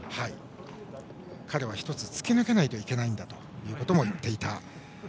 彼は１つ突き抜けないといけないんだとも言っていた。